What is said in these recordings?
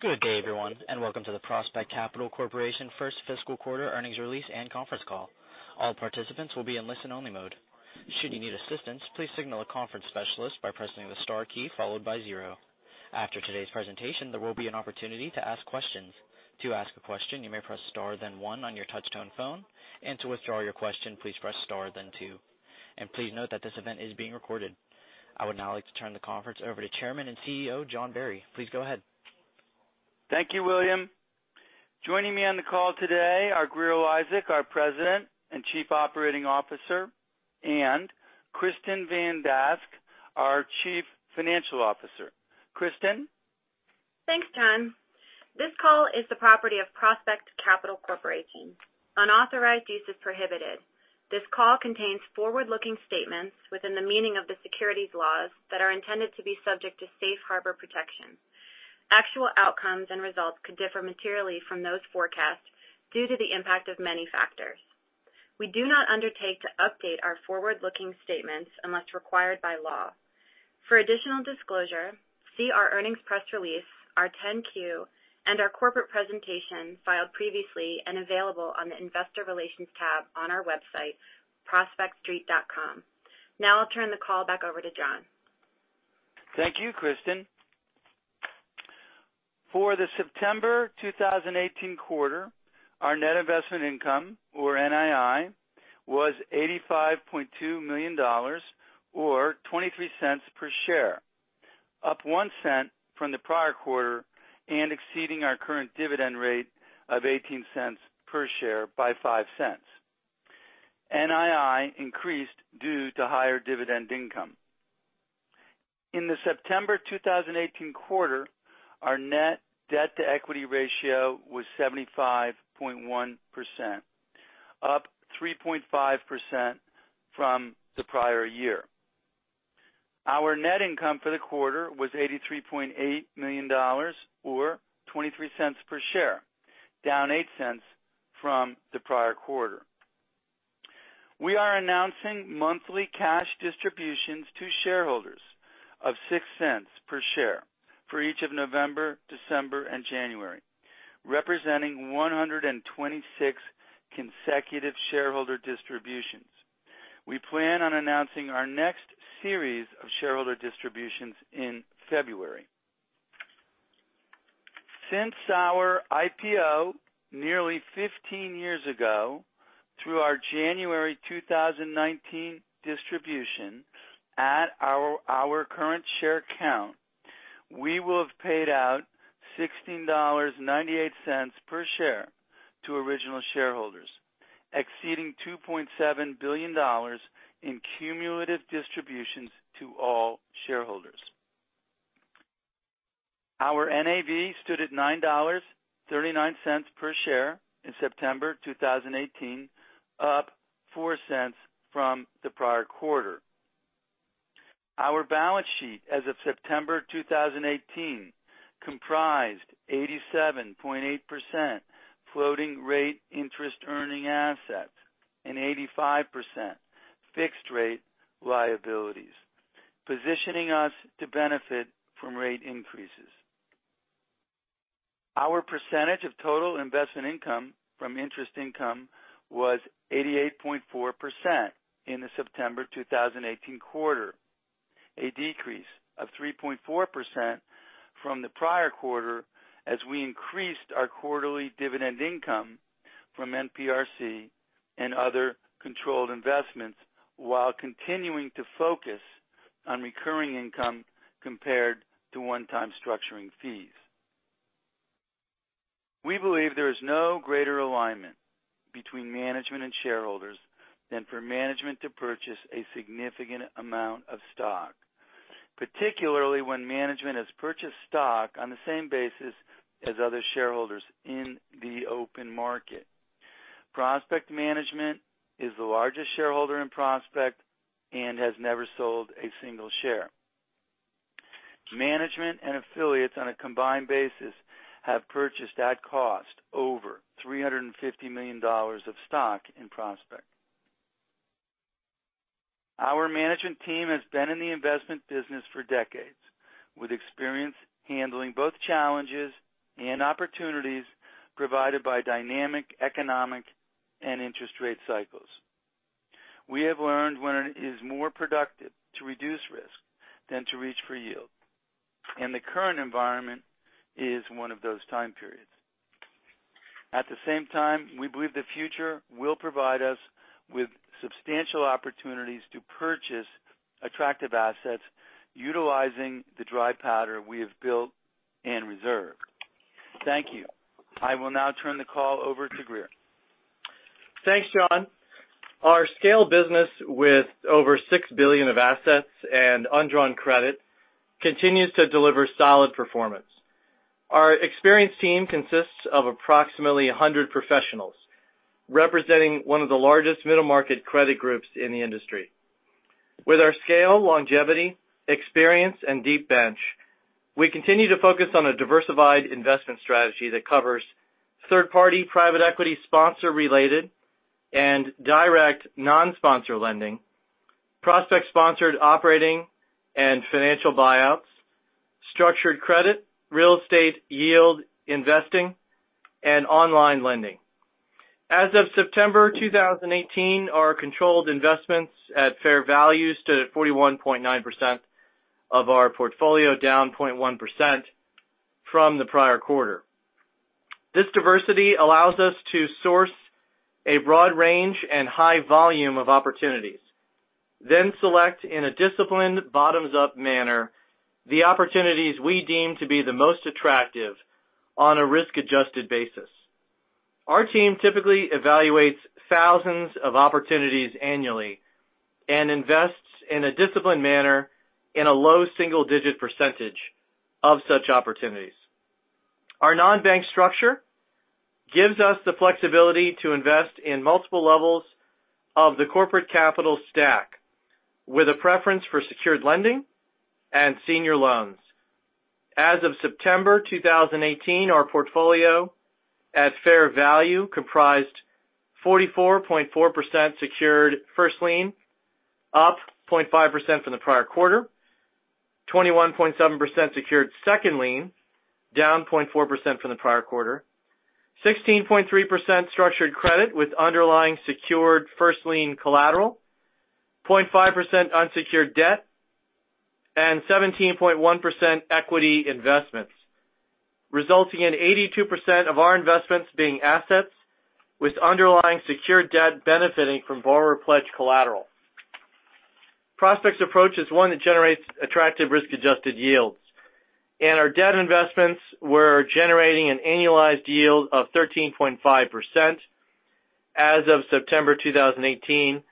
Good day everyone, welcome to the Prospect Capital Corporation first fiscal quarter earnings release and conference call. All participants will be in listen-only mode. Should you need assistance, please signal a conference specialist by pressing the star key followed by zero. After today's presentation, there will be an opportunity to ask questions. To ask a question, you may press star then one on your touch-tone phone, and to withdraw your question, please press star then two. Please note that this event is being recorded. I would now like to turn the conference over to Chairman and CEO, John Barry. Please go ahead. Thank you, William. Joining me on the call today are Grier Eliasek, our President and Chief Operating Officer, and Kristin Van Dask, our Chief Financial Officer. Kristin? Thanks, John. This call is the property of Prospect Capital Corporation. Unauthorized use is prohibited. This call contains forward-looking statements within the meaning of the securities laws that are intended to be subject to safe harbor protections. Actual outcomes and results could differ materially from those forecasts due to the impact of many factors. We do not undertake to update our forward-looking statements unless required by law. For additional disclosure, see our earnings press release, our 10-Q, and our corporate presentation filed previously and available on the investor relations tab on our website, prospectstreet.com. I'll turn the call back over to John. Thank you, Kristin. For the September 2018 quarter, our net investment income, or NII, was $85.2 million, or $0.23 per share, up $0.01 from the prior quarter and exceeding our current dividend rate of $0.18 per share by $0.05. NII increased due to higher dividend income. In the September 2018 quarter, our net debt-to-equity ratio was 75.1%, up 3.5% from the prior year. Our net income for the quarter was $83.8 million, or $0.23 per share, down $0.08 from the prior quarter. We are announcing monthly cash distributions to shareholders of $0.06 per share for each of November, December, and January, representing 126 consecutive shareholder distributions. We plan on announcing our next series of shareholder distributions in February. Since our IPO nearly 15 years ago, through our January 2019 distribution at our current share count, we will have paid out $16.98 per share to original shareholders, exceeding $2.7 billion in cumulative distributions to all shareholders. Our NAV stood at $9.39 per share in September 2018, up $0.04 from the prior quarter. Our balance sheet as of September 2018 comprised 87.8% floating rate interest-earning assets and 85% fixed rate liabilities, positioning us to benefit from rate increases. Our percentage of total investment income from interest income was 88.4% in the September 2018 quarter, a decrease of 3.4% from the prior quarter as we increased our quarterly dividend income from NPRC and other controlled investments while continuing to focus on recurring income compared to one-time structuring fees. We believe there is no greater alignment between management and shareholders than for management to purchase a significant amount of stock, particularly when management has purchased stock on the same basis as other shareholders in the open market. Prospect Management is the largest shareholder in Prospect and has never sold a single share. Management and affiliates on a combined basis have purchased at cost over $350 million of stock in Prospect. Our management team has been in the investment business for decades, with experience handling both challenges and opportunities provided by dynamic economic and interest rate cycles. We have learned when it is more productive to reduce risk than to reach for yield, and the current environment is one of those time periods. At the same time, we believe the future will provide us with substantial opportunities to purchase attractive assets utilizing the dry powder we have built and reserved. Thank you. I will now turn the call over to Grier. Thanks, John. Our scale business with over 6 billion of assets and undrawn credit continues to deliver solid performance. Our experienced team consists of approximately 100 professionals, representing one of the largest middle market credit groups in the industry. With our scale, longevity, experience, and deep bench, we continue to focus on a diversified investment strategy that covers third-party private equity sponsor-related and direct non-sponsor lending, Prospect sponsored operating and financial buyouts, structured credit, real estate yield investing, and online lending. As of September 2018, our controlled investments at fair value stood at 41.9% of our portfolio, down 0.1% from the prior quarter. This diversity allows us to source a broad range and high volume of opportunities, then select in a disciplined bottoms-up manner the opportunities we deem to be the most attractive on a risk-adjusted basis. Our team typically evaluates thousands of opportunities annually and invests in a disciplined manner in a low single-digit percentage of such opportunities. Our non-bank structure gives us the flexibility to invest in multiple levels of the corporate capital stack with a preference for secured lending and senior loans. As of September 2018, our portfolio at fair value comprised 44.4% secured first lien, up 0.5% from the prior quarter. 21.7% secured second lien down 0.4% from the prior quarter. 16.3% structured credit with underlying secured first lien collateral, 0.5% unsecured debt, and 17.1% equity investments, resulting in 82% of our investments being assets with underlying secured debt benefiting from borrower pledge collateral. Prospect's approach is one that generates attractive risk-adjusted yields. Our debt investments were generating an annualized yield of 13.5% as of September 2018,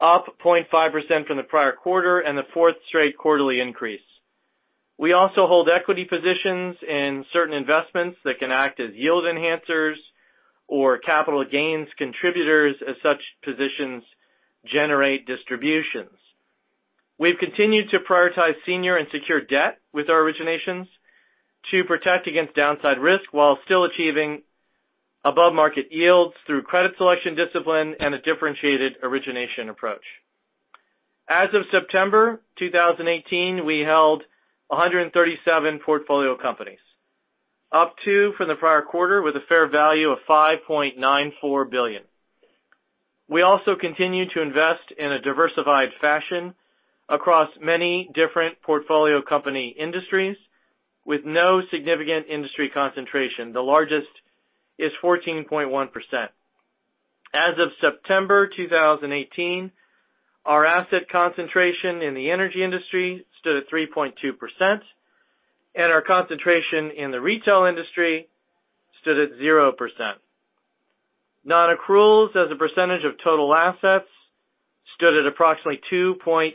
up 0.5% from the prior quarter and the fourth straight quarterly increase. We also hold equity positions in certain investments that can act as yield enhancers or capital gains contributors as such positions generate distributions. We've continued to prioritize senior and secure debt with our originations to protect against downside risk while still achieving above-market yields through credit selection discipline and a differentiated origination approach. As of September 2018, we held 137 portfolio companies, up two from the prior quarter with a fair value of $5.94 billion. We also continue to invest in a diversified fashion across many different portfolio company industries with no significant industry concentration. The largest is 14.1%. As of September 2018, our asset concentration in the energy industry stood at 3.2%, and our concentration in the retail industry stood at 0%. Non-accruals as a percentage of total assets stood at approximately 2.4%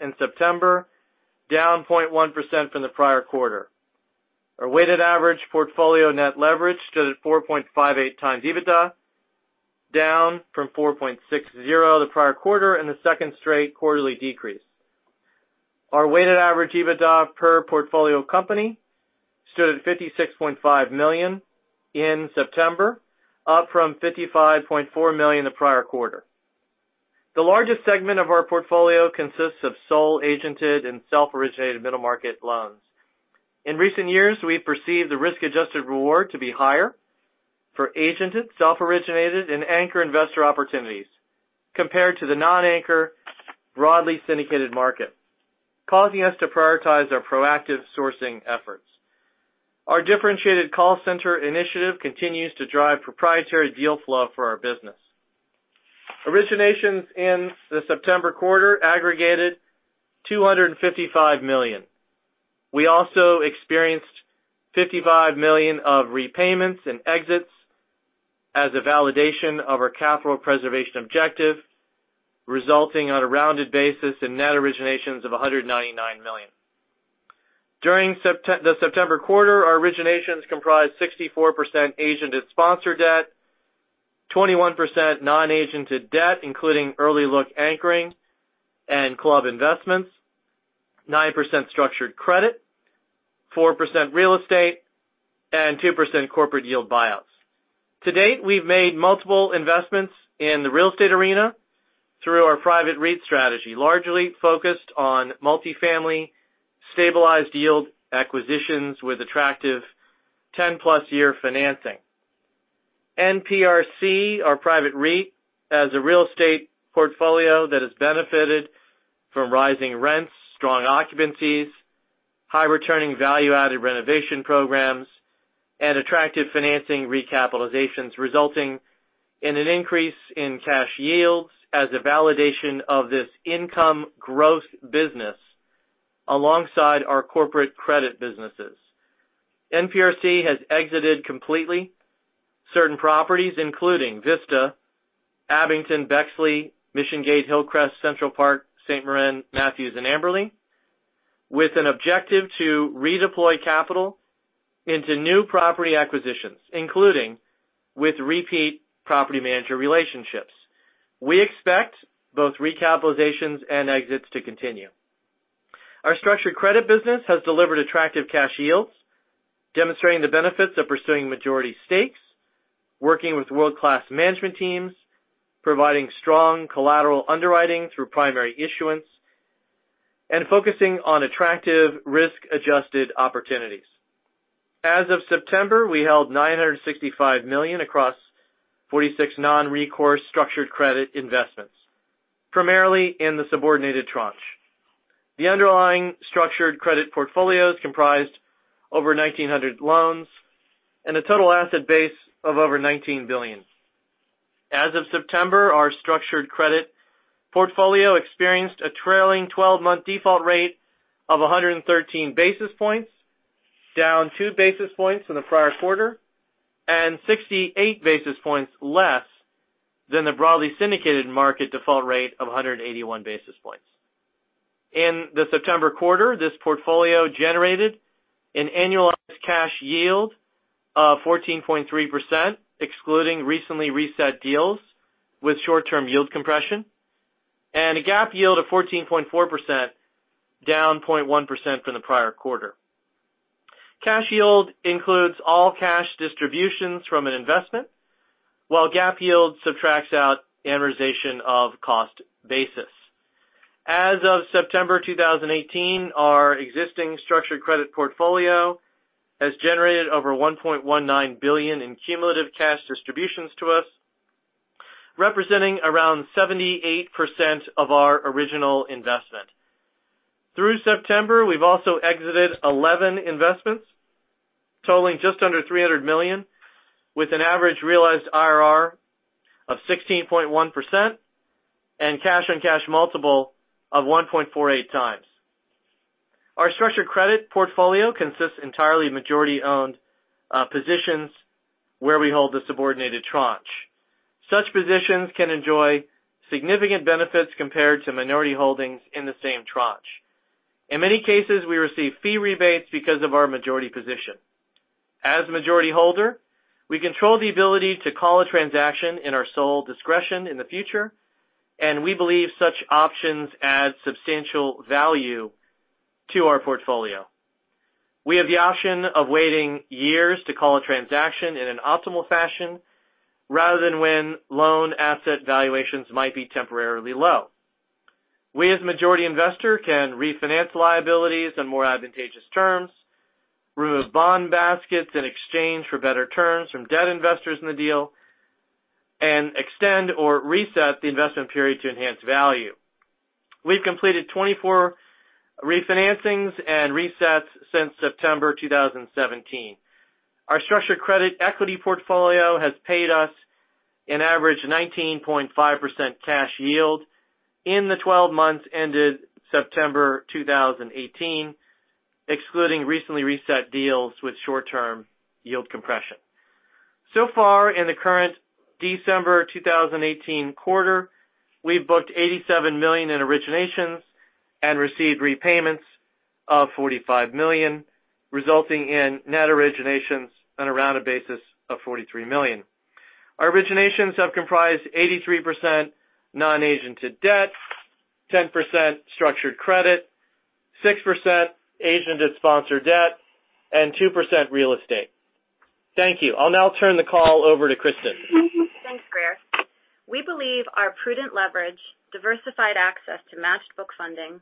in September, down 0.1% from the prior quarter. Our weighted average portfolio net leverage stood at 4.58 times EBITDA, down from 4.60 the prior quarter and the second straight quarterly decrease. Our weighted average EBITDA per portfolio company stood at $56.5 million in September, up from $55.4 million the prior quarter. The largest segment of our portfolio consists of sole-agented and self-originated middle-market loans. In recent years, we've perceived the risk-adjusted reward to be higher for agented, self-originated, and anchor investor opportunities compared to the non-anchor, broadly syndicated market, causing us to prioritize our proactive sourcing efforts. Our differentiated call center initiative continues to drive proprietary deal flow for our business. Originations in the September quarter aggregated $255 million. We also experienced $55 million of repayments and exits as a validation of our capital preservation objective, resulting on a rounded basis in net originations of $199 million. During the September quarter, our originations comprised 64% agented sponsor debt, 21% non-agented debt, including early look anchoring and club investments, 9% structured credit, 4% real estate, and 2% corporate yield buyouts. To date, we've made multiple investments in the real estate arena through our private REIT strategy, largely focused on multi-family stabilized yield acquisitions with attractive 10-plus year financing. NPRC, our private REIT, has a real estate portfolio that has benefited from rising rents, strong occupancies, high returning value-added renovation programs, and attractive financing recapitalizations, resulting in an increase in cash yields as a validation of this income growth business alongside our corporate credit businesses. NPRC has exited completely certain properties, including Vista, Abington, Bexley, Mission Gate, Hillcrest, Central Park, St. Marys, Matthews, and Amberley, with an objective to redeploy capital into new property acquisitions, including with repeat property manager relationships. We expect both recapitalizations and exits to continue. Our structured credit business has delivered attractive cash yields, demonstrating the benefits of pursuing majority stakes, working with world-class management teams, providing strong collateral underwriting through primary issuance, and focusing on attractive risk-adjusted opportunities. As of September, we held $965 million across 46 non-recourse structured credit investments, primarily in the subordinated tranche. The underlying structured credit portfolios comprised over 1,900 loans and a total asset base of over $19 billion. As of September, our structured credit portfolio experienced a trailing 12-month default rate of 113 basis points, down two basis points from the prior quarter, and 68 basis points less than the broadly syndicated market default rate of 181 basis points. In the September quarter, this portfolio generated an annualized cash yield of 14.3%, excluding recently reset deals with short-term yield compression, and a GAAP yield of 14.4%, down 0.1% from the prior quarter. Cash yield includes all cash distributions from an investment, while GAAP yield subtracts out amortization of cost basis. As of September 2018, our existing structured credit portfolio has generated over $1.19 billion in cumulative cash distributions to us, representing around 78% of our original investment. Through September, we've also exited 11 investments totaling just under $300 million, with an average realized IRR of 16.1% and cash-on-cash multiple of 1.48 times. Our structured credit portfolio consists entirely of majority-owned positions where we hold the subordinated tranche. Such positions can enjoy significant benefits compared to minority holdings in the same tranche. In many cases, we receive fee rebates because of our majority position. As the majority holder, we control the ability to call a transaction in our sole discretion in the future, and we believe such options add substantial value to our portfolio. We have the option of waiting years to call a transaction in an optimal fashion rather than when loan asset valuations might be temporarily low. We, as a majority investor, can refinance liabilities on more advantageous terms, remove bond baskets in exchange for better terms from debt investors in the deal, and extend or reset the investment period to enhance value. We've completed 24 refinancings and resets since September 2017. Our structured credit equity portfolio has paid us an average 19.5% cash yield in the 12 months ended September 2018, excluding recently reset deals with short-term yield compression. So far, in the current December 2018 quarter, we've booked $87 million in originations and received repayments of $45 million, resulting in net originations on around a basis of $43 million. Our originations have comprised 83% non-agented debt, 10% structured credit, 6% agented sponsored debt, and 2% real estate. Thank you. I'll now turn the call over to Kristin. Thanks, Grier. We believe our prudent leverage, diversified access to matched book funding,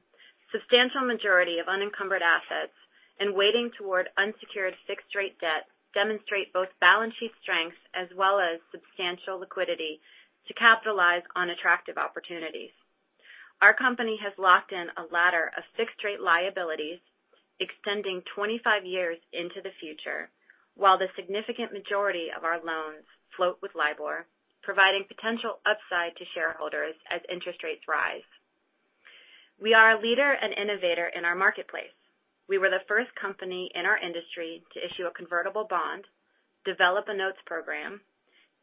substantial majority of unencumbered assets, and weighting toward unsecured fixed-rate debt demonstrate both balance sheet strengths as well as substantial liquidity to capitalize on attractive opportunities. Our company has locked in a ladder of fixed-rate liabilities extending 25 years into the future, while the significant majority of our loans float with LIBOR, providing potential upside to shareholders as interest rates rise. We are a leader and innovator in our marketplace. We were the first company in our industry to issue a convertible bond, develop a notes program,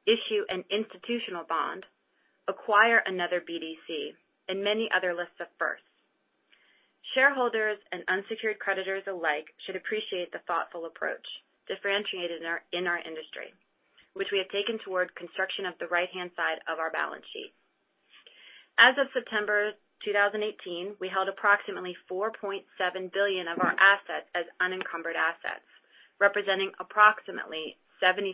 issue an institutional bond, acquire another BDC, and many other lists of firsts. Shareholders and unsecured creditors alike should appreciate the thoughtful approach differentiated in our industry, which we have taken toward construction of the right-hand side of our balance sheet. As of September 2018, we held approximately $4.7 billion of our assets as unencumbered assets, representing approximately 75%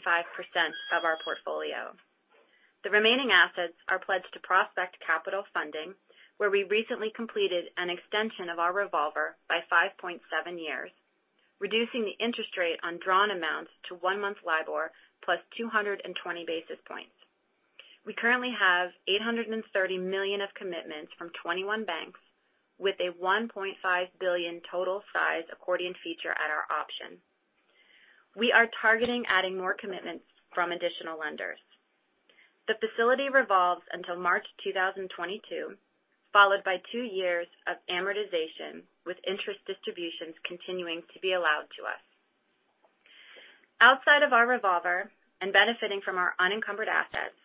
of our portfolio. The remaining assets are pledged to Prospect Capital Funding, where we recently completed an extension of our revolver by 5.7 years, reducing the interest rate on drawn amounts to one-month LIBOR plus 220 basis points. We currently have $830 million of commitments from 21 banks with a $1.5 billion total size accordion feature at our option. We are targeting adding more commitments from additional lenders. The facility revolves until March 2022, followed by two years of amortization with interest distributions continuing to be allowed to us. Outside of our revolver and benefiting from our unencumbered assets,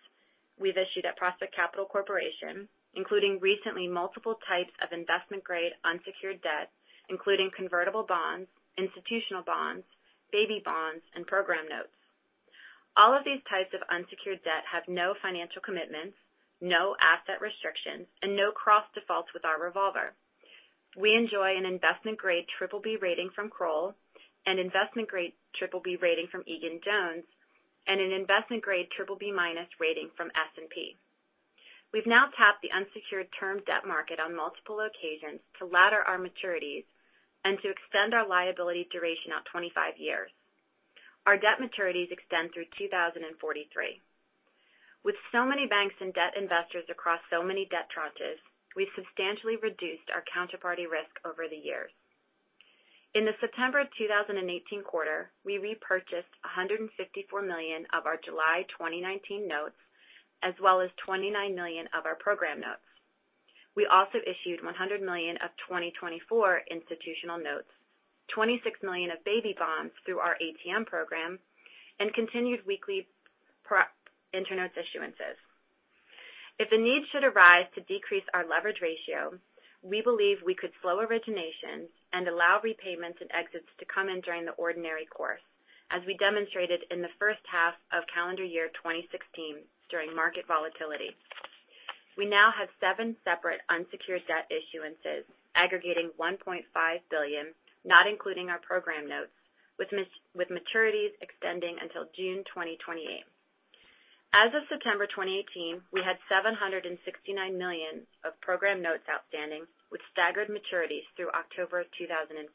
we've issued at Prospect Capital Corporation, including recently multiple types of investment-grade unsecured debt, including convertible bonds, institutional bonds, baby bonds, and program notes. All of these types of unsecured debt have no financial commitments, no asset restrictions, and no cross defaults with our revolver. We enjoy an investment grade BBB rating from Kroll, an investment grade BBB rating from Egan-Jones, and an investment grade BBB- rating from S&P. We've now tapped the unsecured term debt market on multiple occasions to ladder our maturities and to extend our liability duration out 25 years. Our debt maturities extend through 2043. With so many banks and debt investors across so many debt tranches, we've substantially reduced our counterparty risk over the years. In the September 2018 quarter, we repurchased $154 million of our July 2019 notes, as well as $29 million of our program notes. We also issued $100 million of 2024 institutional notes, $26 million of baby bonds through our ATM program, and continued weekly prep intern notes issuances. If the need should arise to decrease our leverage ratio, we believe we could slow origination and allow repayments and exits to come in during the ordinary course, as we demonstrated in the first half of calendar year 2016 during market volatility. We now have seven separate unsecured debt issuances aggregating $1.5 billion, not including our program notes, with maturities extending until June 2028. As of September 2018, we had $769 million of program notes outstanding with staggered maturities through October 2043.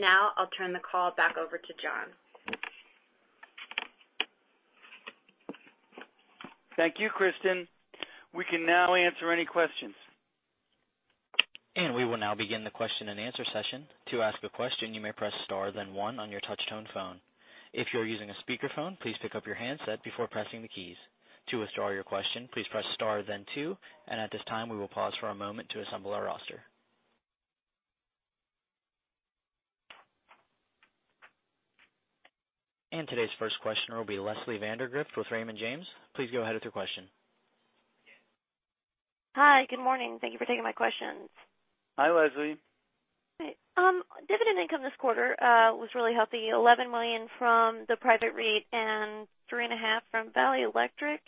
I'll turn the call back over to John. Thank you, Kristin. We can now answer any questions. We will now begin the question and answer session. To ask a question, you may press star then one on your touchtone phone. If you're using a speakerphone, please pick up your handset before pressing the keys. To withdraw your question, please press star then two. At this time, we will pause for a moment to assemble our roster. Today's first questioner will be Leslie Vandergrift with Raymond James. Please go ahead with your question. Hi. Good morning. Thank you for taking my questions. Hi, Leslie. Dividend income this quarter was really healthy, $11 million from the private REIT and three and a half from Valley Electric.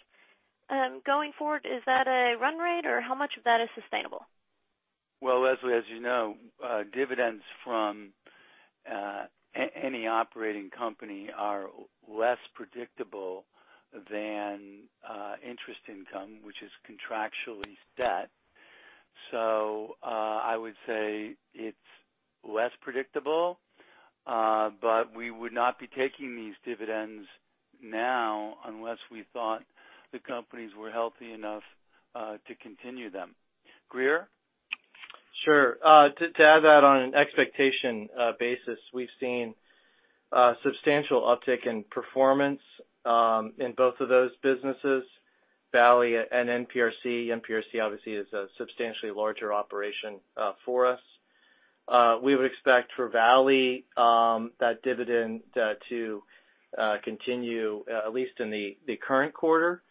Going forward, is that a run rate, or how much of that is sustainable? Well, Leslie, as you know, dividends from any operating company are less predictable than interest income, which is contractually set. I would say it's less predictable. We would not be taking these dividends now unless we thought the companies were healthy enough to continue them. Grier? Sure. To add that on an expectation basis, we've seen a substantial uptick in performance in both of those businesses, Valley and NPRC. NPRC obviously is a substantially larger operation for us. We would expect for Valley that dividend to continue at least in the current quarter.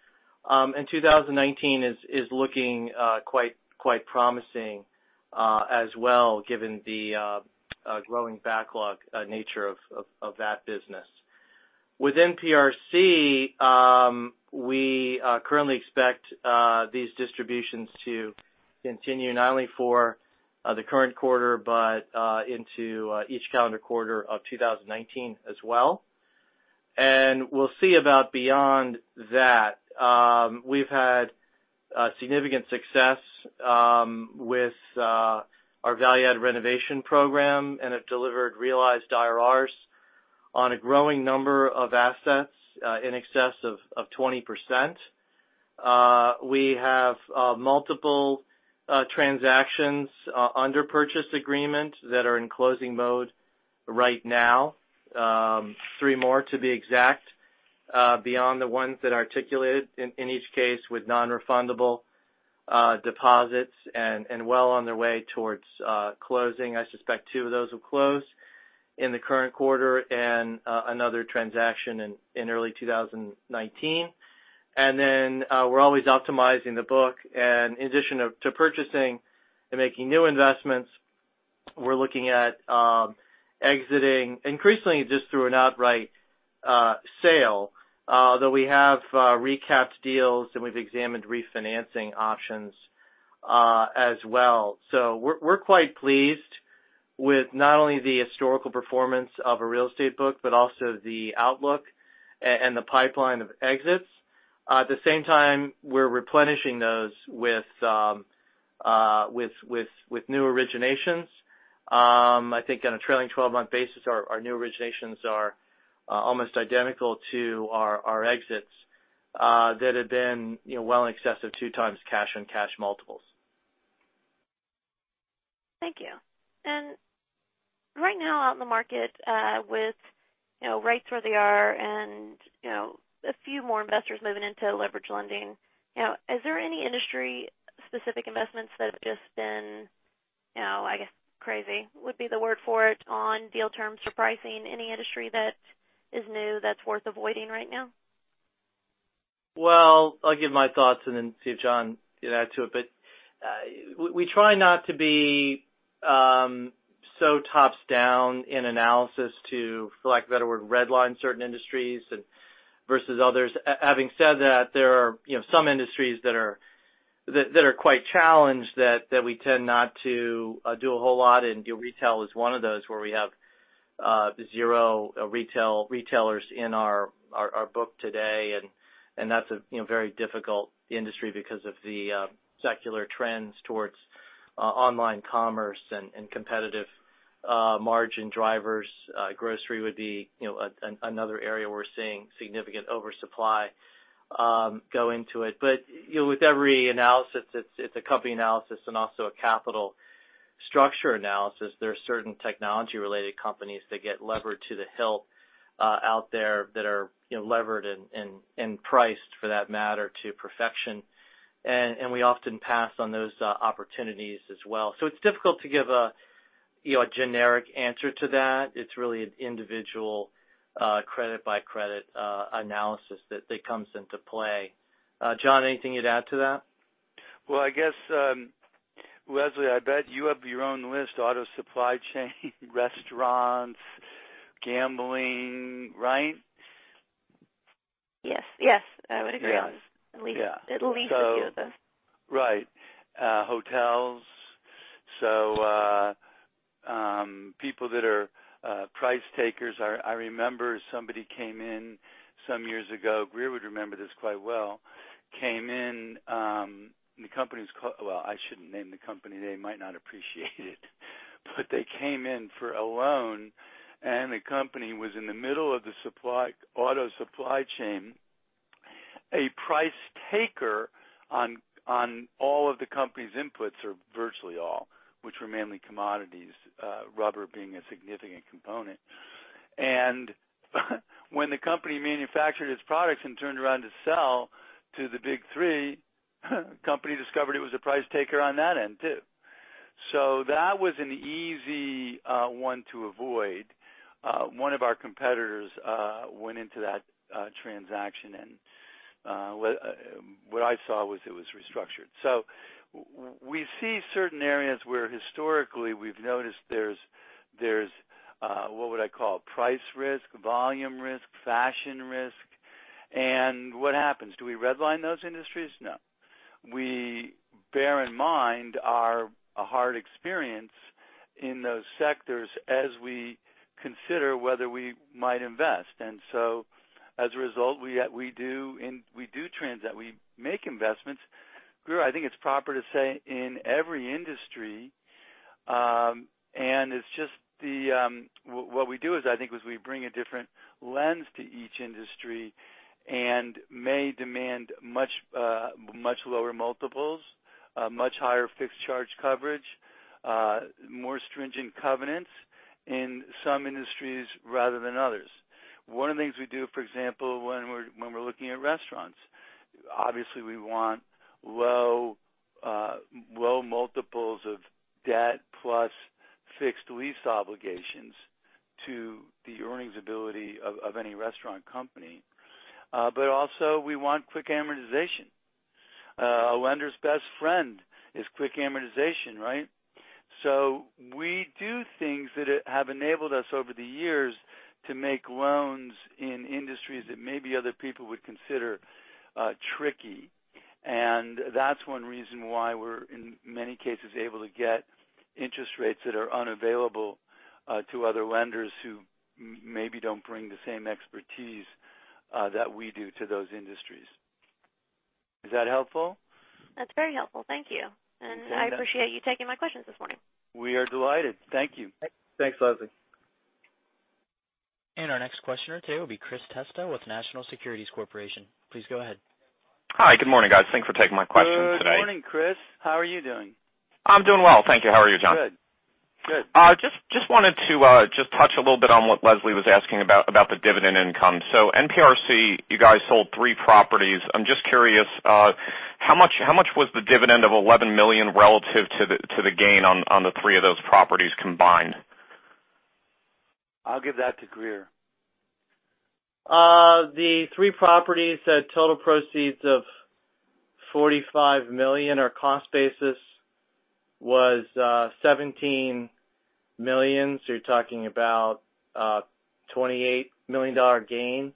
2019 is looking quite promising as well, given the growing backlog nature of that business. With NPRC, we currently expect these distributions to continue not only for the current quarter but into each calendar quarter of 2019 as well. We'll see about beyond that. We've had significant success with our value-add renovation program, and it delivered realized IRRs on a growing number of assets in excess of 20%. We have multiple transactions under purchase agreement that are in closing mode right now. Three more, to be exact, beyond the ones that articulated in each case with nonrefundable deposits and well on their way towards closing. I suspect two of those will close in the current quarter and another transaction in early 2019. We're always optimizing the book. In addition to purchasing and making new investments, we're looking at exiting increasingly just through an outright sale. Though we have recapped deals, and we've examined refinancing options as well. We're quite pleased with not only the historical performance of a real estate book but also the outlook and the pipeline of exits. At the same time, we're replenishing those with new originations. I think on a trailing 12-month basis, our new originations are almost identical to our exits that have been well in excess of two times cash-on-cash multiples. Thank you. Right now out in the market with rates where they are and a few more investors moving into leveraged lending, is there any industry-specific investments that have just been, I guess, crazy would be the word for it, on deal terms or pricing? Any industry that is new that's worth avoiding right now? Well, I'll give my thoughts and then see if John can add to it. We try not to be so tops down in analysis to, for lack of a better word, red line certain industries versus others. Having said that, there are some industries that are quite challenged that we tend not to do a whole lot in. Retail is one of those where we have zero retailers in our book today, and that's a very difficult industry because of the secular trends towards online commerce and competitive margin drivers. Grocery would be another area we're seeing significant oversupply go into it. With every analysis, it's a company analysis and also a capital structure analysis. There are certain technology-related companies that get levered to the hilt out there that are levered and priced, for that matter, to perfection. We often pass on those opportunities as well. It's difficult to give a generic answer to that. It's really an individual credit-by-credit analysis that comes into play. John, anything you'd add to that? Well, I guess, Leslie, I bet you have your own list. Auto supply chain, restaurants, gambling, right? Yes. I would agree on at least a few of those. Right. Hotels. People that are price takers. I remember somebody came in some years ago, Grier would remember this quite well. The company's called I shouldn't name the company. They might not appreciate it. They came in for a loan, and the company was in the middle of the auto supply chain. A price taker on all of the company's inputs, or virtually all, which were mainly commodities, rubber being a significant component. When the company manufactured its products and turned around to sell to the Big Three, the company discovered it was a price taker on that end, too. That was an easy one to avoid. One of our competitors went into that transaction, what I saw was it was restructured. We see certain areas where historically we've noticed there's, what would I call, price risk, volume risk, fashion risk. What happens? Do we red line those industries? No. We bear in mind our hard experience in those sectors as we consider whether we might invest. As a result, we do trends that we make investments. Grier, I think it's proper to say in every industry. What we do is, I think, is we bring a different lens to each industry and may demand much lower multiples, much higher fixed charge coverage, more stringent covenants in some industries rather than others. One of the things we do, for example, when we're looking at restaurants. Obviously, we want low multiples of debt plus fixed lease obligations to the earnings ability of any restaurant company. Also we want quick amortization. A lender's best friend is quick amortization, right? We do things that have enabled us over the years to make loans in industries that maybe other people would consider tricky. That's one reason why we're, in many cases, able to get interest rates that are unavailable to other lenders who maybe don't bring the same expertise that we do to those industries. Is that helpful? That's very helpful. Thank you. I appreciate you taking my questions this morning. We are delighted. Thank you. Thanks, Leslie. Our next questioner today will be Chris Testa with National Securities Corporation. Please go ahead. Hi. Good morning, guys. Thanks for taking my question today. Good morning, Chris. How are you doing? I'm doing well, thank you. How are you, John? Good. Wanted to touch a little bit on what Leslie was asking about the dividend income. NPRC, you guys sold three properties. I'm just curious, how much was the dividend of $11 million relative to the gain on the three of those properties combined? I'll give that to Grier. The three properties had total proceeds of $45 million. Our cost basis was $17 million. You're talking about a $28 million gain.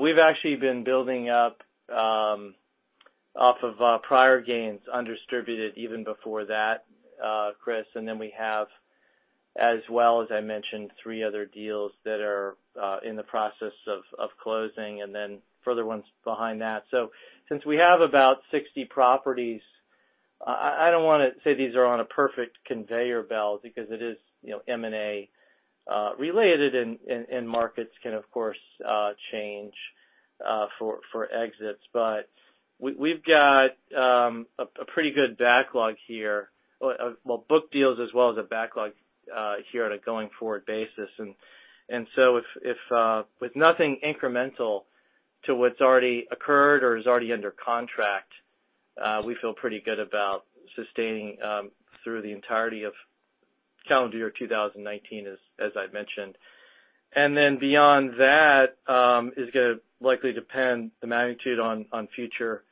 We've actually been building up off of prior gains undistributed even before that, Chris, then we have, as well as I mentioned, three other deals that are in the process of closing and then further ones behind that. Since we have about 60 properties, I don't want to say these are on a perfect conveyor belt because it is M&A related, and markets can, of course, change for exits. We've got a pretty good backlog here. Well, book deals as well as a backlog here on a going-forward basis. With nothing incremental to what's already occurred or is already under contract, we feel pretty good about sustaining through the entirety of calendar year 2019, as I've mentioned. Beyond that, is going to likely depend the magnitude on future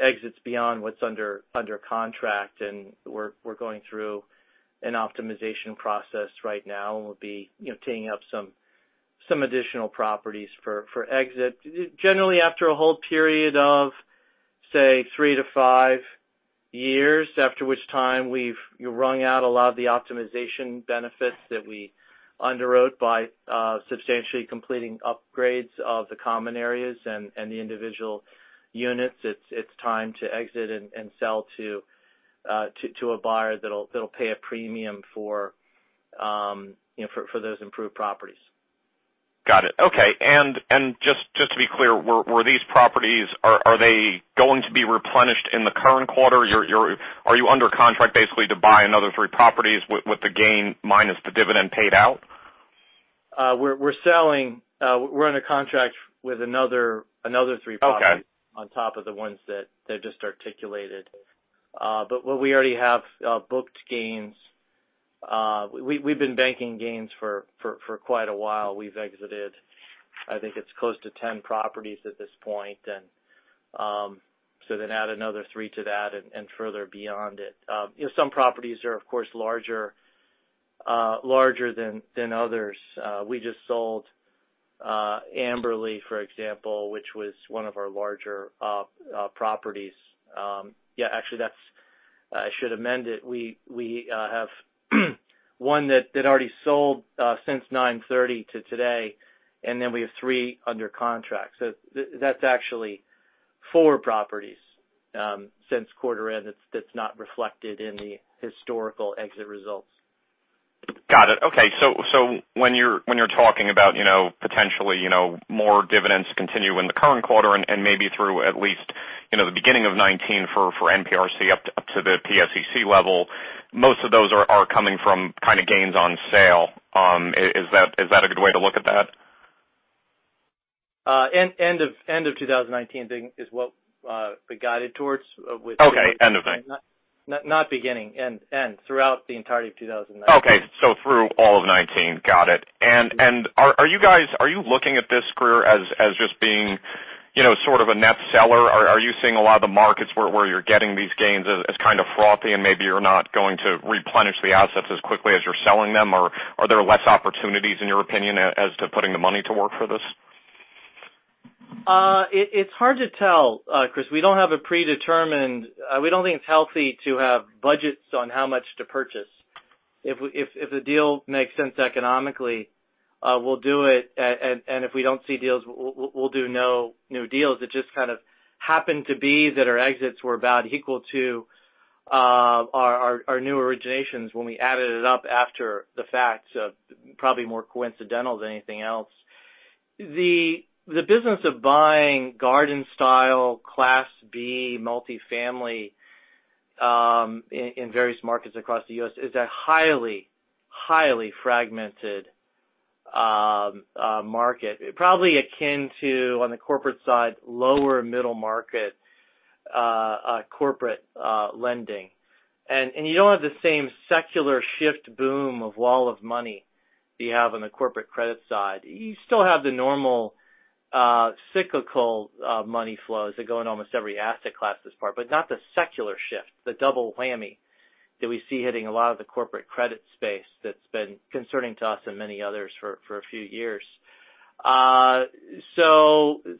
exits beyond what's under contract. We're going through an optimization process right now, and we'll be teeing up some additional properties for exit. Generally, after a whole period of, say, three to five years, after which time we've wrung out a lot of the optimization benefits that we underwrote by substantially completing upgrades of the common areas and the individual units. It's time to exit and sell to a buyer that'll pay a premium for those improved properties. Got it. Okay. Just to be clear, were these properties, are they going to be replenished in the current quarter? Are you under contract basically to buy another three properties with the gain minus the dividend paid out? We're in a contract with another three properties. Okay On top of the ones that I just articulated. What we already have booked gains. We've been banking gains for quite a while. We've exited, I think it's close to 10 properties at this point. Add another three to that and further beyond it. Some properties are, of course, larger than others. We just sold Amberley, for example, which was one of our larger properties. Actually, I should amend it. We have one that already sold since 9/30 to today, we have three under contract. That's actually four properties since quarter end that's not reflected in the historical exit results. Got it. Okay. When you're talking about potentially more dividends continue in the current quarter and maybe through at least the beginning of 2019 for NPRC up to the PSEC level, most of those are coming from kind of gains on sale. Is that a good way to look at that? End of 2019 is what we guided towards with. Okay. End of thing. Not beginning. End. Throughout the entirety of 2019. Okay. Through all of 2019. Got it. Are you looking at this, Chris, as just being sort of a net seller? Are you seeing a lot of the markets where you're getting these gains as kind of frothy and maybe you're not going to replenish the assets as quickly as you're selling them? Or are there less opportunities, in your opinion, as to putting the money to work for this? It's hard to tell, Chris. We don't think it's healthy to have budgets on how much to purchase. If the deal makes sense economically, we'll do it. If we don't see deals, we'll do no new deals. It just kind of happened to be that our exits were about equal to our new originations when we added it up after the fact. Probably more coincidental than anything else. The business of buying garden-style Class B multifamily in various markets across the U.S. is a highly fragmented market. Probably akin to, on the corporate side, lower middle market corporate lending. You don't have the same secular shift boom of wall of money that you have on the corporate credit side. You still have the normal cyclical money flows that go in almost every asset class this far, but not the secular shift, the double whammy that we see hitting a lot of the corporate credit space that's been concerning to us and many others for a few years. The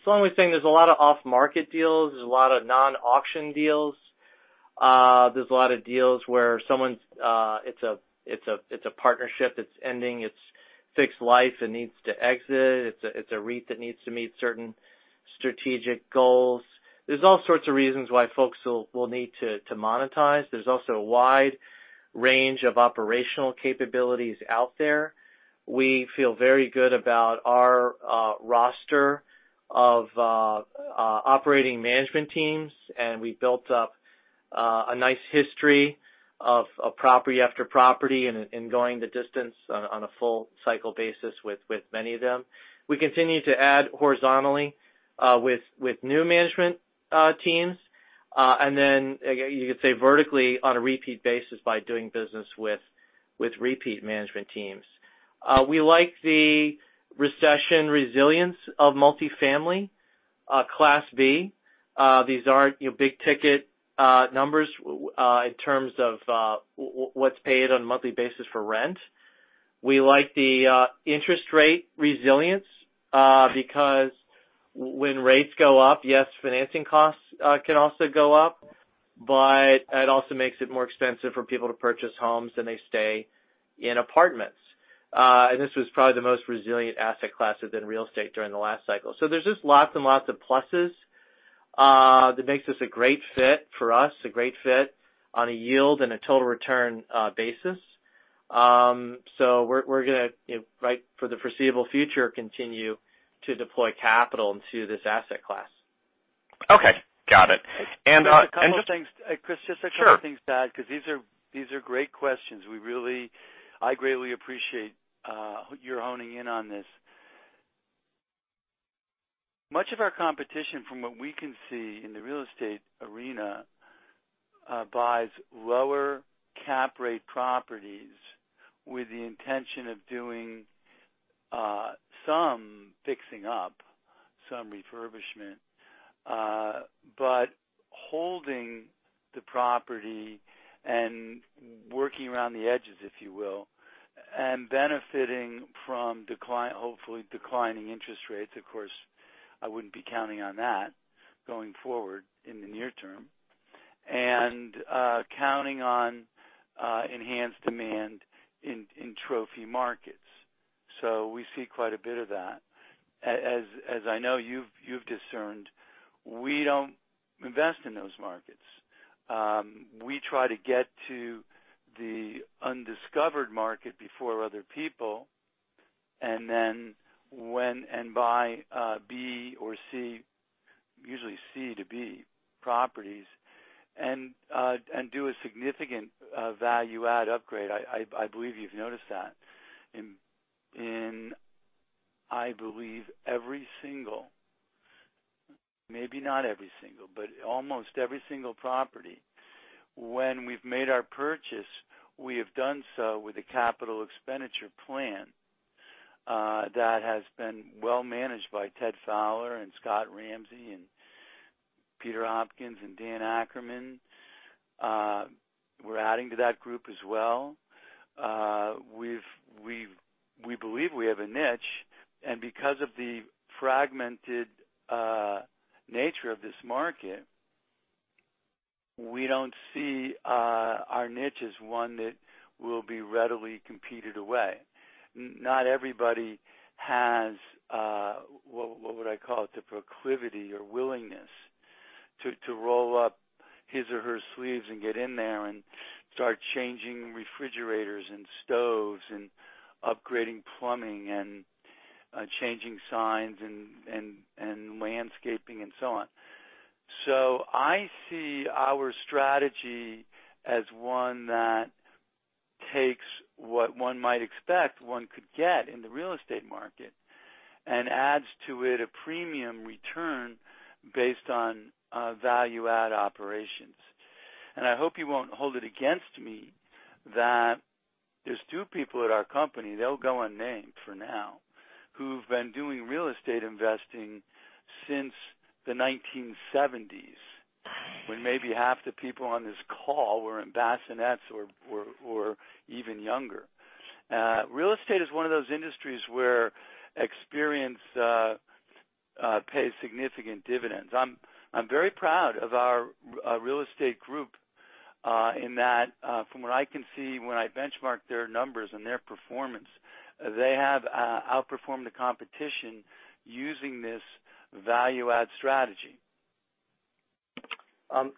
only thing, there's a lot of off-market deals. There's a lot of non-auction deals. There's a lot of deals where it's a partnership that's ending its fixed life and needs to exit. It's a REIT that needs to meet certain strategic goals. There's all sorts of reasons why folks will need to monetize. There's also a wide range of operational capabilities out there. We feel very good about our roster of operating management teams, and we built up a nice history of property after property and going the distance on a full-cycle basis with many of them. We continue to add horizontally with new management teams. Then you could say vertically on a repeat basis by doing business with repeat management teams. We like the recession resilience of multifamily Class B. These aren't big-ticket numbers in terms of what's paid on a monthly basis for rent. We like the interest rate resilience because when rates go up, yes, financing costs can also go up. It also makes it more expensive for people to purchase homes than they stay in apartments. This was probably the most resilient asset class within real estate during the last cycle. There's just lots and lots of pluses that makes this a great fit for us, a great fit on a yield and a total return basis. We're going to, for the foreseeable future, continue to deploy capital into this asset class. Okay. Got it. Chris, just a couple of things to add. Sure These are great questions. I greatly appreciate you honing in on this. Much of our competition, from what we can see in the real estate arena, buys lower cap rate properties with the intention of doing some fixing up, some refurbishment, but holding the property and working around the edges, if you will, and benefiting from, hopefully, declining interest rates. Of course, I wouldn't be counting on that going forward in the near term. Counting on enhanced demand in trophy markets. We see quite a bit of that. As I know you've discerned, we don't invest in those markets. We try to get to the undiscovered market before other people, and buy B or C, usually C to B, properties, and do a significant value add upgrade. I believe you've noticed that. In, I believe every single, maybe not every single, but almost every single property, when we've made our purchase, we have done so with a capital expenditure plan that has been well managed by Ted Fowler and Scott Ramsey and Peter Hopkins and Dan Ackerman. We're adding to that group as well. We believe we have a niche, and because of the fragmented nature of this market, we don't see our niche as one that will be readily competed away. Not everybody has, what would I call it? The proclivity or willingness to roll up his or her sleeves and get in there and start changing refrigerators and stoves, and upgrading plumbing and changing signs and landscaping and so on. I see our strategy as one that takes what one might expect one could get in the real estate market and adds to it a premium return based on value add operations. I hope you won't hold it against me that there's two people at our company, they'll go unnamed for now, who've been doing real estate investing since the 1970s, when maybe half the people on this call were in bassinets or were even younger. Real estate is one of those industries where experience pays significant dividends. I'm very proud of our real estate group, in that, from what I can see, when I benchmark their numbers and their performance, they have outperformed the competition using this value add strategy.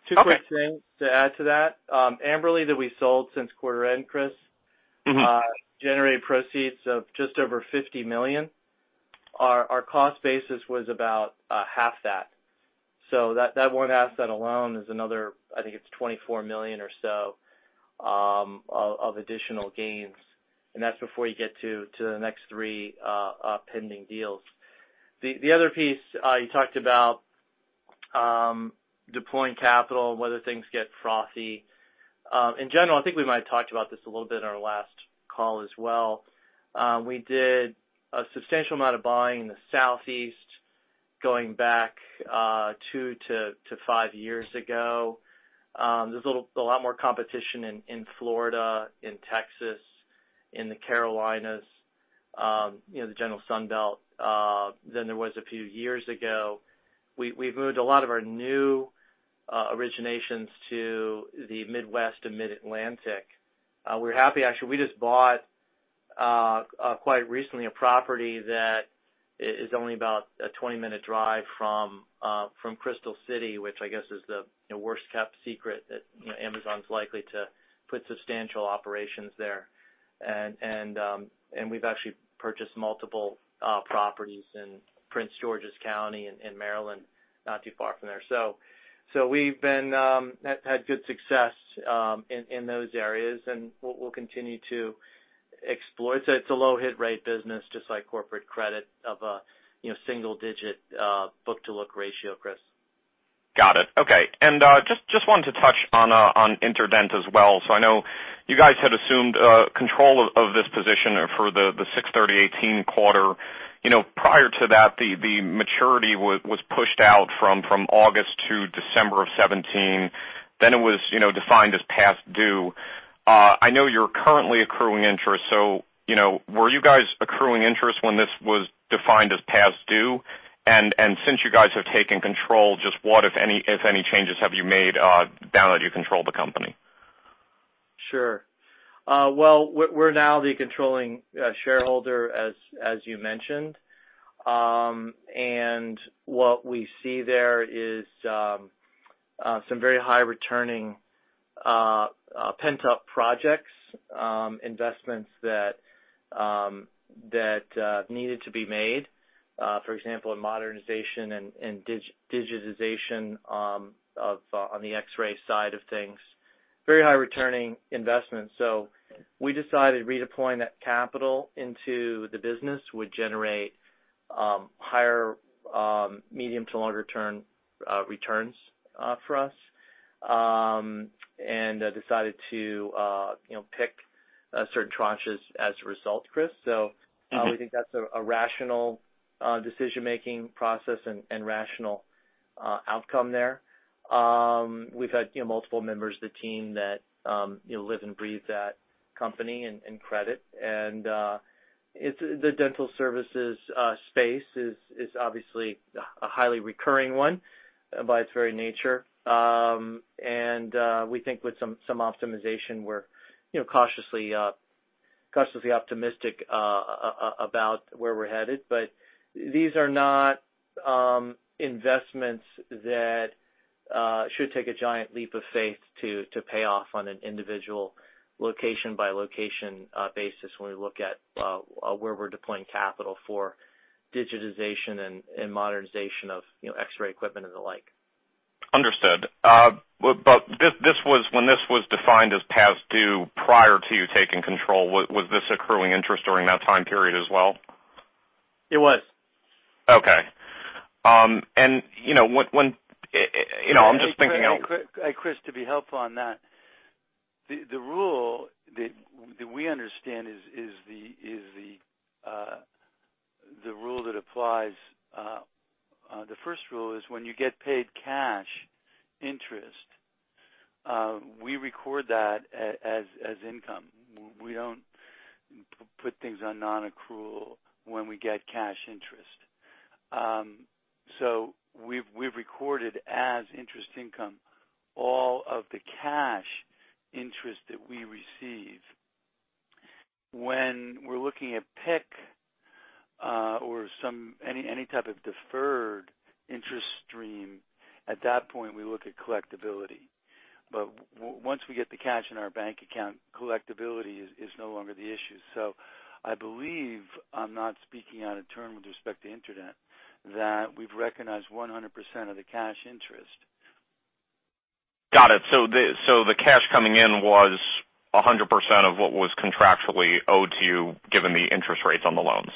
Two quick things to add to that. Amberley that we sold since quarter end, Chris. Generated proceeds of just over $50 million. Our cost basis was about half that. That one asset alone is another, I think it's $24 million or so of additional gains. That's before you get to the next three pending deals. The other piece you talked about deploying capital and whether things get frothy. In general, I think we might have talked about this a little bit in our last call as well. We did a substantial amount of buying in the Southeast, going back two to five years ago. There's a lot more competition in Florida, in Texas, in the Carolinas, the general Sun Belt, than there was a few years ago. We've moved a lot of our new originations to the Midwest and Mid-Atlantic. We're happy, actually, we just bought, quite recently, a property that is only about a 20-minute drive from Crystal City, which I guess is the worst kept secret that Amazon's likely to put substantial operations there. We've actually purchased multiple properties in Prince George's County in Maryland, not too far from there. We've had good success in those areas, and we'll continue to explore. It's a low hit rate business, just like corporate credit of a single digit look-to-book ratio, Chris. Got it. Okay. Just wanted to touch on InterDent as well. I know you guys had assumed control of this position for the Six-thirty-2018 quarter. Prior to that, the maturity was pushed out from August to December of 2017. It was defined as past due. I know you're currently accruing interest, so were you guys accruing interest when this was defined as past due? Since you guys have taken control, just what, if any, changes have you made now that you control the company? Sure. Well, we're now the controlling shareholder, as you mentioned. What we see there is some very high returning pent-up projects, investments that needed to be made. For example, a modernization and digitization on the X-ray side of things. Very high returning investment. We decided redeploying that capital into the business would generate higher medium to longer-term returns for us, and decided to pick certain tranches as a result, Chris. We think that's a rational decision-making process and rational outcome there. We've had multiple members of the team that live and breathe that company and credit. The dental services space is obviously a highly recurring one by its very nature. We think with some optimization, we're cautiously optimistic about where we're headed. These are not investments that should take a giant leap of faith to pay off on an individual location-by-location basis when we look at where we're deploying capital for digitization and modernization of X-ray equipment and the like. Understood. When this was defined as past due prior to you taking control, was this accruing interest during that time period as well? It was. Okay. I'm just thinking. Hey, Chris, to be helpful on that. The rule that we understand is the rule that applies. The first rule is when you get paid cash interest, we record that as income. We don't put things on non-accrual when we get cash interest. We've recorded as interest income all of the cash interest that we receive. When we're looking at pick or any type of deferred interest stream, at that point, we look at collectability. Once we get the cash in our bank account, collectability is no longer the issue. I believe, I'm not speaking out of turn with respect to InterDent, that we've recognized 100% of the cash interest. Got it. The cash coming in was 100% of what was contractually owed to you, given the interest rates on the loans.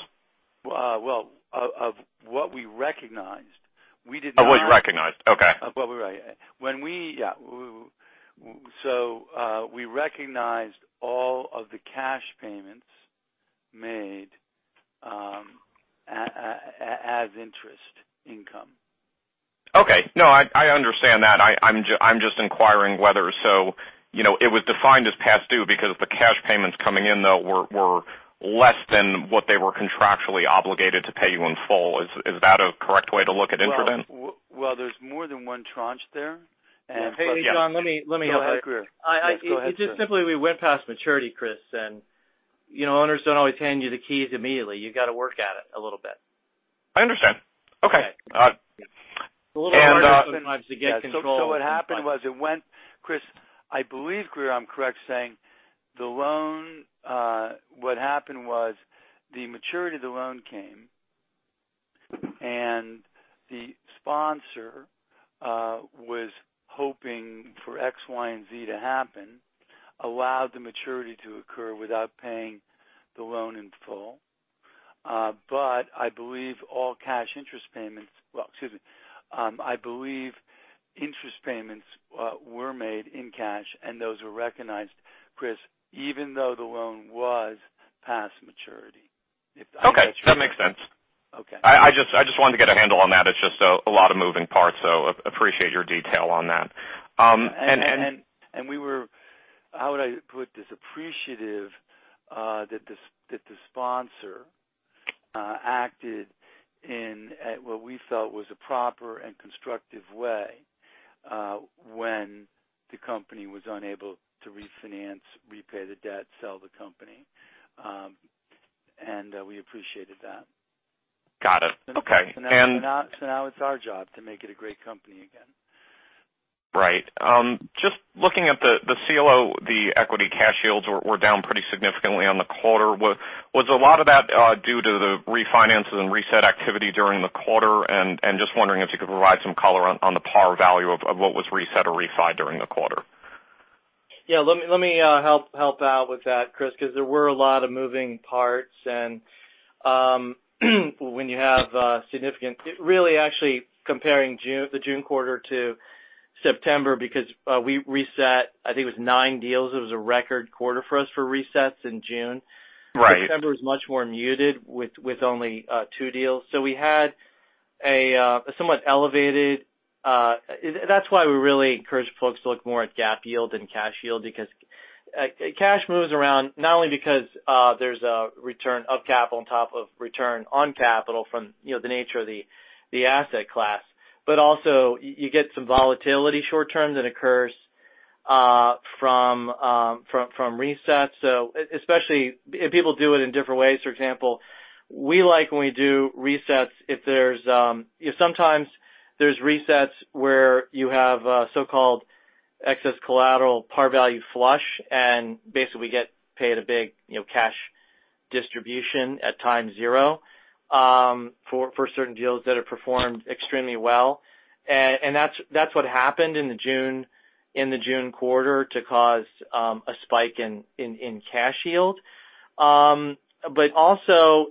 Well, of what we recognized, we did not. Of what you recognized. Okay. Of what we recognized. We recognized all of the cash payments made as interest income. Okay. No, I understand that. I'm just inquiring whether, so it was defined as past due because the cash payments coming in, though, were less than what they were contractually obligated to pay you in full. Is that a correct way to look at InterDent? Well, there's more than one tranche there. Hey, John. Go ahead, Chris. It's just simply we went past maturity, Chris. Owners don't always hand you the keys immediately. You got to work at it a little bit. I understand. Okay. A little harder sometimes to get control. What happened was it went, Chris, I believe, Chris, I'm correct saying, what happened was the maturity of the loan came, the sponsor was hoping for X, Y, and Z to happen, allowed the maturity to occur without paying the loan in full. I believe all cash interest payments, well, excuse me, I believe interest payments were made in cash, and those were recognized, Chris, even though the loan was past maturity. If that's your- Okay. That makes sense. Okay. I just wanted to get a handle on that. It's just a lot of moving parts, appreciate your detail on that. We were, how would I put this? Appreciative that the sponsor acted in what we felt was a proper and constructive way when the company was unable to refinance, repay the debt, sell the company. We appreciated that. Got it. Okay. Now it's our job to make it a great company again. Right. Just looking at the CLO, the equity cash yields were down pretty significantly on the quarter. Was a lot of that due to the refinances and reset activity during the quarter? Just wondering if you could provide some color on the par value of what was reset or refied during the quarter. Yeah. Let me help out with that, Chris, because there were a lot of moving parts. When you have. Really, actually comparing the June quarter to September because we reset, I think it was nine deals. It was a record quarter for us for resets in June. Right. September was much more muted with only two deals. That's why we really encourage folks to look more at GAAP yield than cash yield because cash moves around not only because there's a return of capital on top of return on capital from the nature of the asset class. You get some volatility short-term that occurs from resets. Especially if people do it in different ways. For example, we like when we do resets if there's Sometimes there's resets where you have a so-called excess collateral par value flush, and basically we get paid a big cash distribution at time zero for certain deals that have performed extremely well. That's what happened in the June quarter to cause a spike in cash yield. Also,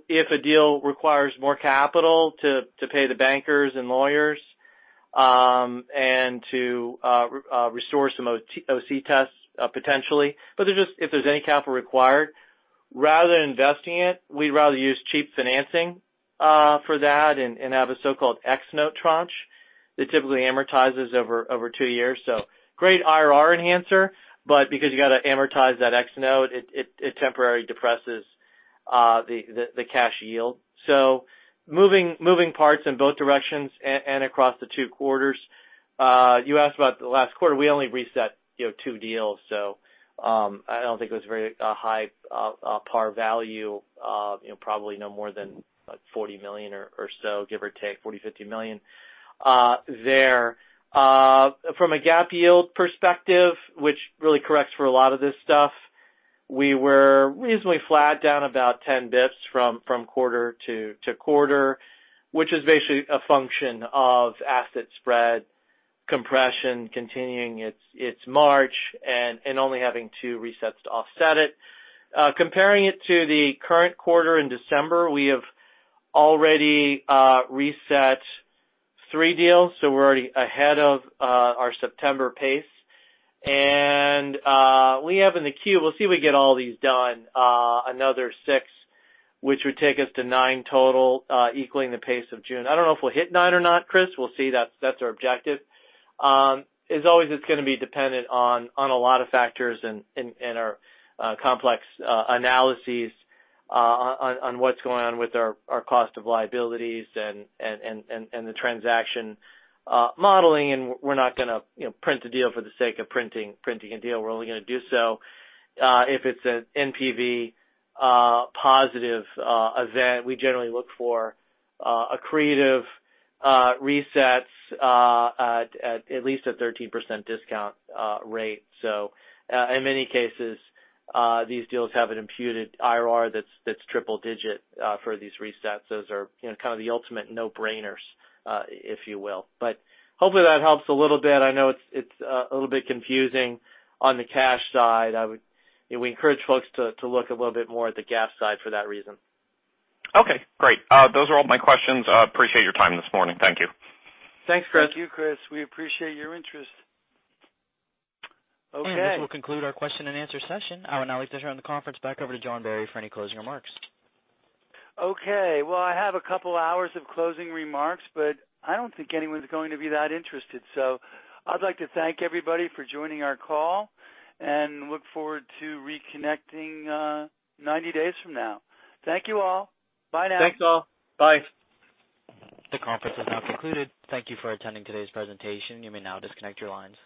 if a deal requires more capital to pay the bankers and lawyers, and to restore some OC tests, potentially. If there's any capital required, rather than investing it, we'd rather use cheap financing for that and have a so-called X note tranche that typically amortizes over 2 years. Great IRR enhancer, but because you got to amortize that X note, it temporarily depresses the cash yield. Moving parts in both directions and across the 2 quarters. You asked about the last quarter. We only reset two deals, so I don't think it was very high par value. Probably no more than $40 million or so, give or take, $40 million, $50 million there. From a GAAP yield perspective, which really corrects for a lot of this stuff, we were reasonably flat, down about 10 bps from quarter to quarter, which is basically a function of asset spread compression continuing its march and only having two resets to offset it. Comparing it to the current quarter in December, we have already reset three deals, so we're already ahead of our September pace. We have in the queue, we'll see if we get all these done, another six, which would take us to nine total, equaling the pace of June. I don't know if we'll hit nine or not, Chris. We'll see. That's our objective. As always, it's going to be dependent on a lot of factors and our complex analyses on what's going on with our cost of liabilities and the transaction modeling. We're not going to print a deal for the sake of printing a deal. We're only going to do so if it's an NPV positive event. We generally look for accretive resets at least a 13% discount rate. In many cases, these deals have an imputed IRR that's triple digit for these resets. Those are kind of the ultimate no-brainers, if you will. Hopefully that helps a little bit. I know it's a little bit confusing on the cash side. We encourage folks to look a little bit more at the GAAP side for that reason. Okay. Great. Those are all my questions. Appreciate your time this morning. Thank you. Thanks, Chris. Thank you, Chris. We appreciate your interest. Okay. This will conclude our question and answer session. I would now like to turn the conference back over to John Barry for any closing remarks. I have a couple hours of closing remarks, but I don't think anyone's going to be that interested. I'd like to thank everybody for joining our call, and look forward to reconnecting 90 days from now. Thank you all. Bye now. Thanks, all. Bye. The conference is now concluded. Thank you for attending today's presentation. You may now disconnect your lines.